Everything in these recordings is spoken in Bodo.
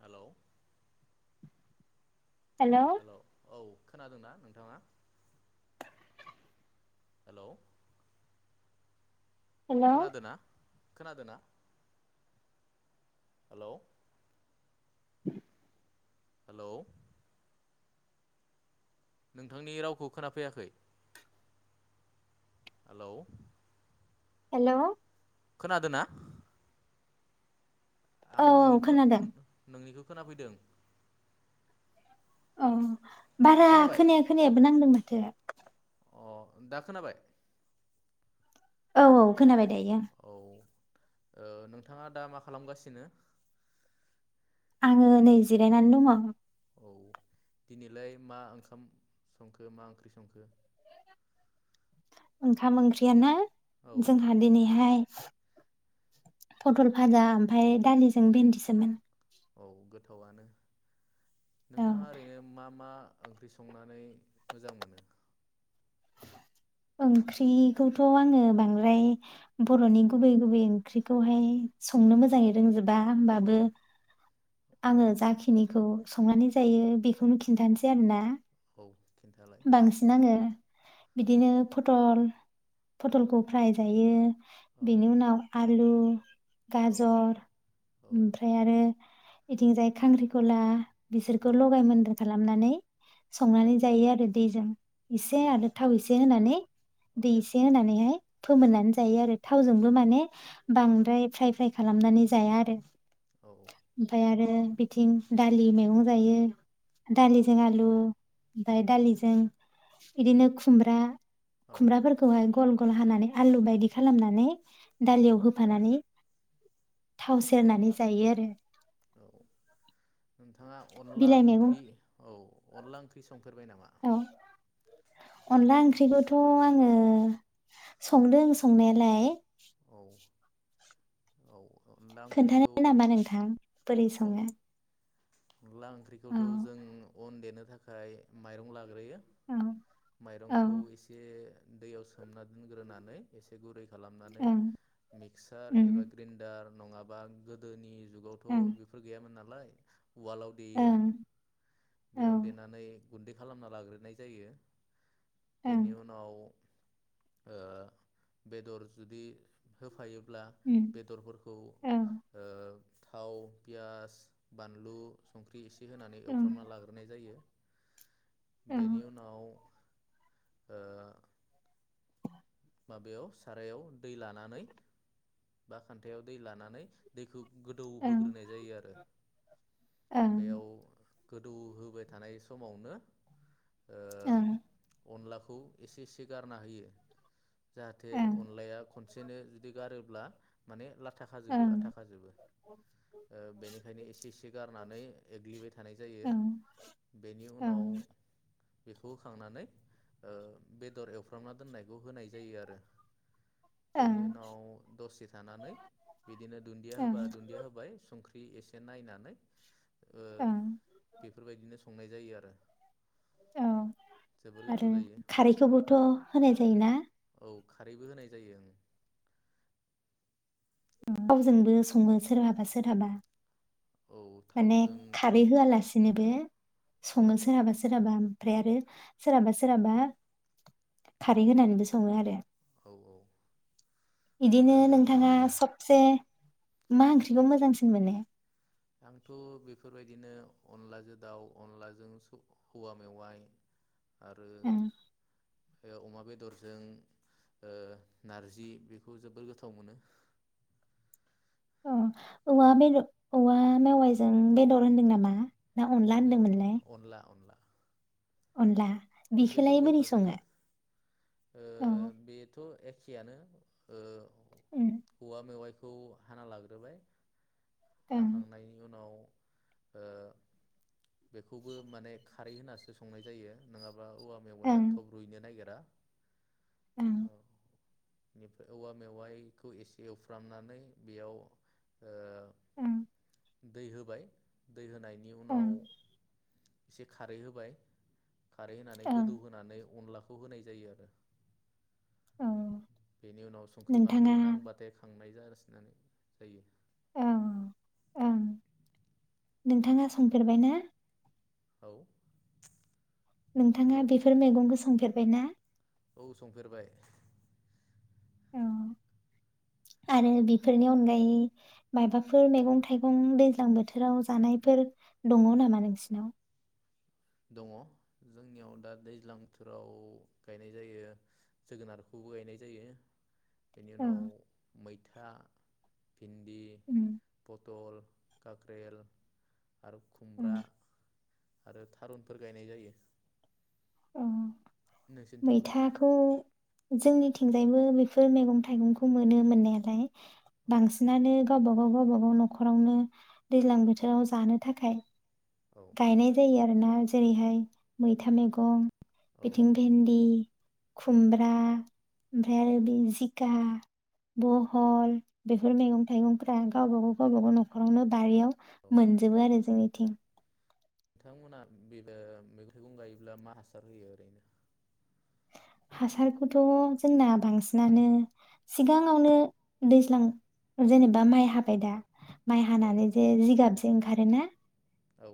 हेलौ। हेलौ औ खोनादोंना नोंथाङा? हेलौ हेलौ खोनादोंना? खोनादोंना? हेलौ उ हेलौ नोंथांनि रावखौ खोनाफैयाखै हेलौ हेलौ खोनादोंना? औ आं नोंनिखौ खोनादों। [inaudible] नोंनिखौ खोनाफैदों औ बारा खोनाबाय खोनाया खोनायाबो नांदोंमोन। दे अ दा खोनाबाय? औ औ खोनाबाय दायो। औ ओ नोंथाङा दा मा खालामगासिनो? आङो नै जिरायनानै दङ। औ दिनैलाय मा ओंखाम संखो मा ओंख्रि संखो? ओंखाम ओंख्रियाना औ जोंहा दिनैहाय पटल भाजा ओमफ्राय दालिजों भेन्दिसोमोन औ गोथावआनो औ नोंथाङा ओरैनो मा मा ओंख्रि संनानै मोजां मोनो? ओंख्रिखौथ' आङो बांद्राय बर'नि गुबै गुबै ओंख्रिखौहाय संनो मोजाङै रोंजोबा होमबाबो औ आङो जाखिनिखौ संनानै जायो बेखौनो खिन्थानोसै आरोना औ खिन्थालाय बांसिन आङो बिदिनो फटल औ फटलखौ फ्राय जायो औ बेनि उनाव आलु उम गाजर ओमफ्राय आरो बिथिंजाय खांख्रिखला बिसोरखौ लगाय मोनदेर थालाम खालामनानै संनानै जायो आरो दैजों एसे आरो थाव एसे होनानै दै एसे होनानैहाय फोमोननानै जायो आरो थावजोंबो माने बांद्राय फ्राय फ्राय खालामनानै जाया आरो औ ओमफ्राय आरो बिथिं दालि मैगं जायो औ दालिजों आलु ओमफ्राय दालिजों इदिनो खुमब्रा खुमब्राफोरखौहाय गल गल हानानै आलु बायदि खालामनानै औ दालियाव होफानानै थाव सेरनानै जायो आरो औ नोंथां नोंथाङा अनला बिलाइ मैगं ओंख्रि औ अनला ओंख्रि संफेरबाय ना? औ अनला ओंख्रिखौथ' आङो संदों संनायालाय औ औ अनला ओंख्रिखौ खोन्थानो नामा नोंथां बोरै सङो अनदला ओंख्रिखौथ' औ जों अन देनो थाखाय माइरं लानांगौ देयो औ औ माइरंखौ एसे दैयाव सोमना दोनग्रोनानै एसे गुरै खालामनानै ओं मिक्सार उम एबा ग्रेन्डार। नङाबा गोदोनि ओं जुगावथ' बेफोर गैयामोन ना लाय। उवालाव देयो ओं औ बेयाव देनानै। गुन्दै खालामना लाग्रोनाय जायो। ओं बेनि उनाव ओ बेदर जुदि होफायो। अब्ला उम बेदरफोरखौ ओ औ थाव पियास बानलु संख्रि एसे होनानै ओं एवफ्रामना लाग्रोनाय जायो। ओं बेनि उनाव। ओ माबायाव सारायाव दै लाना नानै बा खानथायाव दै लानानै दैखौ गोदौ ओं होग्रोनाय जायो आरो ओं बेयाव। गोदौ होबाय थानाय समावनो। ओ ओं अनलाखौ एसे एसे गारना होयो जाहाथे ओं अनलाया खनसेनो जुदि गारो ब्ला माने ओं थाखाजोबो आथाखाजोबो ओ बेनिखायनो एसे एसे गारनानै एग्लिबाय थानाय जायो ओं बेनि उनाव ओं बेखौ होखांनानै ओ बेदर एवफ्रामना दोननायखौ होनाय जायो आरो। बेनि उनाव दसे थानानै बिदिनो दुन्दिया होबा ओं दुन्दिया होबाय संख्रि बि एसे नायनानै ओ ओं बेफोरबायदिनो संनाय जायो आरो। औ जोबोर आरो गोथाव जायो खारैखौबोथ' होनाय जायोना। औ खारैबो होनाय जायो ओं। थावजोंबो सङो सोरहाबा सोरहाबा। औ माने थावजोंथ' [unintelligible] औ सङो सोरहाबा सोरहाबा। ओमफ्राय आरो सोरहाबा सोरहाबा खारै होनानैबो सङो आरो। औ औ बिदिनो आरो नोंथाङा सब से मा ओंख्रिखौ मोजांसिन मोनो? आंथ' बेफोरबायदिनो अनलाजों दाउ अनलाजों स-औवा मेवाइ। आरो ओं अमा बेदरजों ओ- नारजि बेखौ जोबोर गोथाव मोनो। अ बेद-औवा मेवायजों बेदर होन्दों नामा? ना अनला औवा मेव होनदोंमोनलाय अनला अनला। अनला अ बिखौलाय बेदरबो बोरै होफा सङो जायो औ ओ- बेथ थ' एखेयानो ओ- उम औवा मेवाइ खौ हाना लाग्रोबाय ओं हाखांनायनि उनाव ओ- बेखौबो माने खारै होनासो संनाय जायो। नोंङाब बा औवा मेवाया ओं थब रुयनो नागिरा। ओं ओ बेनिफ्राय औवा मेवाइखौ एसे एवफ्रामनानै बेयाव ओ- उम दै होबाय दै होन होनायनि ओं उनाव एसे खारै होबाय। खारै होनानै ओं गोदौ होनानै अनलाख खौ होनाय जायो आरो। औ बेनि उनाव संख्रि बानलु नोंथाङा नांबाथाय खांनाय जागासिनानै जायो। ओं ओं नोंथाङा संफेरबाय ना? औ नोंथाङा हेलौ बेफोर मैगंखो। संफेरबाय ना? औ संफेरबाय। अ, आरो बेफोरनि अनगायै माबाफोर मैगं-थाइगं दैज्लां बोथोराव जानायफोर दङ नामा नोंसिनाव? दङ जोंनियाव दा दैज्लां बोथोराव गायनाय जायो। जोगोनारखौबो गायनाय जायो। बेनि औ उनाव मैथा भिनदी उम फथ दल काख्रेल आरो खुमब्रा आरो थारुनफोर गायनाय जायो। औ नोंसोरनिथिंलाय मैथाखौ जोंनिथिंजायबो बेफोर मैगं थाइगंखौ मोनो मोननायालाय। औ बांसिनानो गावबा गाव गावबाागाव न'खरावनो दैज्लां बोथोराव जानो थाखाय। औ गायनाय जायो आरोना जेरैहाय मैथा मैगं औ बिथिं भेन्दि खुमब्रा ओमफ्राय आरो बे जिखा बहल बेफोर मैगं थाइगंफ्रा गावबाागाव गावबाागाव न'खरावनो बारियाव औ मोनजोब आरो जोंनि थिं नोंथांमोनहा बे मैगाइगं गायोब्ला मा हासार होयो ओरैनो। हासारखौथ' जोंना बांसिनानो सिगाङावनो दैज्लां जेनेबा माइ हाबाय दा माइ औ हानानै जे जिगाब ओंखारोना। औ।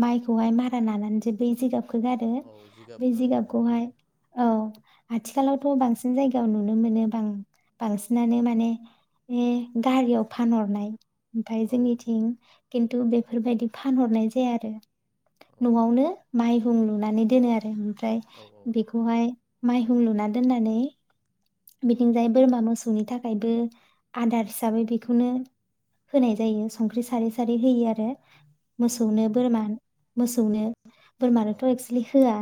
माइखौहाय मारा लानानैसो बै जायगा खौ गारो औ जिगाब बे ओं जिगाबखौहाय बुजि औ। आथिखालावथ' बांसिन जायगायाव नुनो मोनो बां- बांसिनानो माने गारियाव फानहरनाय ओमफाय औ जोंनिथिं खिन्थु बेफोरबायदि फानहरनाय जाया आरो। औ न'आवनो माइहुं लुनानै दोनो आरो। ओमफ्राय औ बेखौहाय माइहुं लुना दोननानै औ बिथिंजाय बोरमा मो सौनि थाखायबो आदार हिसाबै बेखौनो होनाय जायो संख्रि सारै सारै होयो आरो। औ मोसौनो बोरमा मोसौनो बोरमानोथ' एक्सलि होआ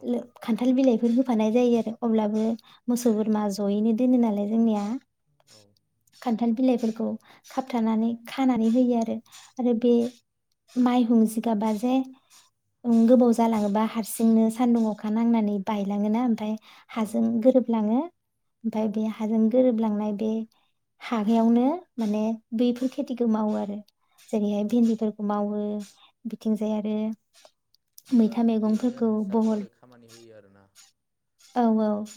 औ खान्थाल बिलाइफोर हो फानाय जायो आरो अब्लाबो। मोसौ बोरमा जयैनो दोनो नालाय जोंनिया खान्थाल बिलाइफोरखौ खाबथानानै। खानानै होयो आरो आरो बे माइहुं जिगाबा जे गोबाव जालाङोबा हारसिंनो सान्दुं अखा नांनानै बायलाङोना ओमफ्राय ‌ हाजों गोरोब लाङो औ ओमफ्राय बे हाजों गोरोब लांनाय बे हागायावनो माने बैफोर खेथिखौ मावो आरो। जेरैहाय औ भिन्दिफोरखौ मावो बिथिंजाय आरो बा मैथा बेनो मैगंफोरखौ हासार बहल महरै खामानि होयो आरोना? औ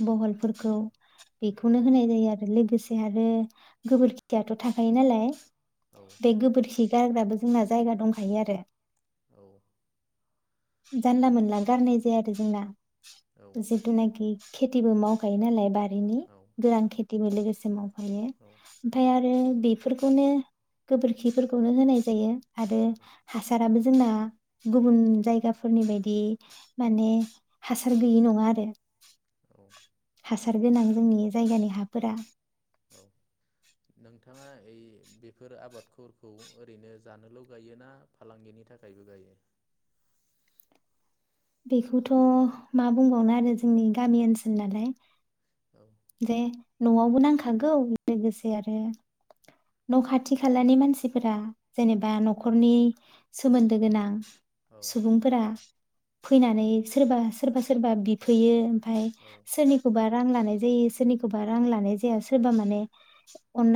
बहलफोरखौ औ बेखौनो होनाय जायो आरो लोगोसे आरो गोबोरखियाथ' थाखायो नालाय औ बे गोबोरखि गारग्राबो जोंना जायगा दंखायो आरो। औ जानला मोनला गारनाय जाया आरो जोंना औ [unintelligible] जेनाखि खेथिबो मावखायो नालाय बारिनि गोरान खेथिबो लोगोसे माव ओमफाय आ रो बेफोरखौनो गोबोरखिफोरखौनो होनाय जायो आरो हासाराबो जोंना गुबुन जायगाफोरनि बायदि माने हासार गैयि नङा आरो औ हासार गोनां जोंनि जायगानि हाफोरा औ नोंथाङा ओइ बेफोर आबादफोरखौ ओरैनो जानोल' गायो ना फालांगिनि थाखायबो गायो बेखौथ' मा बुंबावनो आरो जोंनि गामि ओनसोल नालाय औ जे न'आवबो नांखागौ लोगोसे आरो न' खाथि खालानि मानसिफोरा जेनेबा न'खरनि सोमोन्दो गोनां औ सुबुंफोरा फैनानै सोरबा सोरबा सोरबा बिफैयो फाय औ सोरनिखौबा रां लानाय जायो सोरनिखौबा रां लानाय जाया सोरबा माने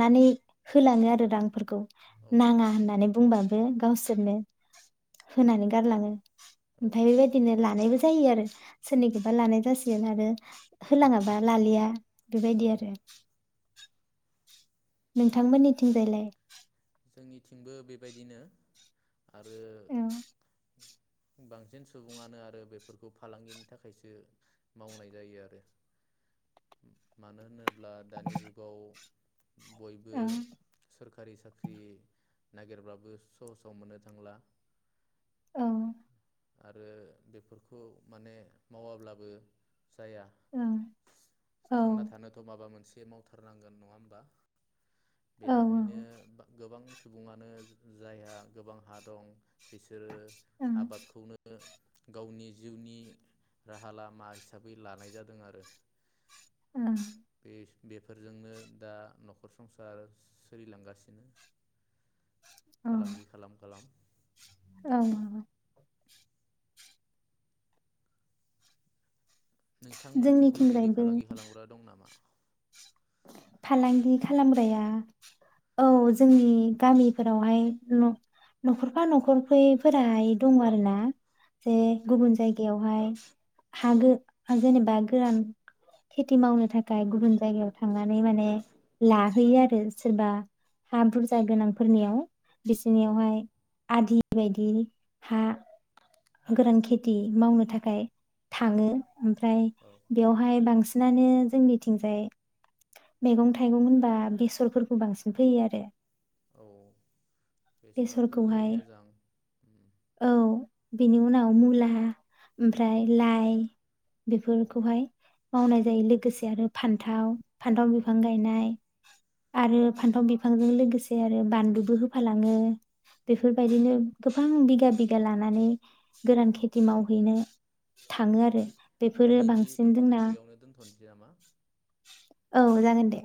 औ लाङो आरो रांफोरखौ औ नाङा होननानै बुंबा गावसोरनो होनानै गारलाङो औ ओमफाय बेबायदिनो लानायबो जायो आरो सोरनिखौबा लानाय जासिगोन आरो होलाङाबा लालिया बेबायदि औ आरो नोंथांमोननिथिंजायलाय जोंनिथिंबो बेबायदिनो आरो औ बांसिन सुबुङानो आरो बेफोरखौ फालांगिनि थाखायसो मावनाय जायो आरो मानो होनो बा दानि जुगाव बयबो औ सरकारि सा ख्रि नागिरब्लाबो सहसाव मोननो थांला। औ आरो बेफोरखौ माने मावाब्लाबो जाया औ थांना थानोथ' माबा मोनसे बेे मावथारनांगोन नङा होमबा। औ बेनिखायनो गोबां सम सुबुङानो जायहा गोबां हा दं बिसोरो औ आबाद खो गावनि जिउनि राहा लामा हिसाबै लानाय जादों आरो ओ बे बेफोरजोंनो दा न'खर संसार सोलिलांगासिनो औ फालांगि खालाम-खालाम औ नोंथांमोनथिंबो बेबायदि जोंनिथिंजायबो फालांगि खालामग्रा दं नामा? फालांगि खालामग्राया औ जोंनि गामिफोरावहाय न'खरफा न'खरफोराहायदङ [inaudible] आरो ना। जे औ गुबुन जायगायाव यावहाय हा जेनेबा गोरान खेथि मावनो थाखाय गुबुन जायगायाव थांनानै माने लाहैयो आरो सोरबा हा बुरजा गोनांफोरनियाव औ बिसिनियावहाय आदि बेबायदि हा गोरान खेथि मावनो थाखाय औ थाङो ओमफ्राय औ बेवहाय बांसिनानो जोंनिथिंजाय मैगं-थाइगं होनबा बेसरफोरखौ बांसिन फोयो आरो। औ बेसराथ' जोबोर बेसरखौहाय मोजां [inaudible] बिनि उनाव मुला औ ओमफ्राय लाइ औ बेफोरखौहाय मावनाय जायो लोगोसे आरो फान्थाव फान्थाव औ बिफां गायनाय आरो फानथाव बिफांजों लोगोसे आरो बानलुबो होफालाङो औ बेफोरबायदिनो गोबां बिगा-बिगा लानानै गोरान औ खेथि मावहैनो थाङो आरो बेफोरो दिनैनि बांसिन जोंना टपिकखौ बेयावनो दोनथ'नोसै नामा? औ जागोन दे